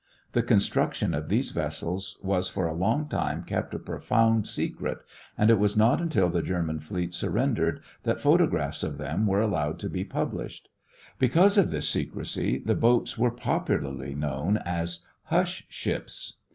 The construction of these vessels was for a long time kept a profound secret and it was not until the German fleet surrendered that photographs of them were allowed to be published. Because of this secrecy the boats were popularly known as "hush ships."